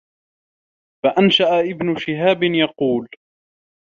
فَأَنْشَأَ ابْنُ شِهَابٍ يَقُولُ